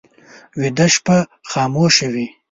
ویده شپه خاموشه وي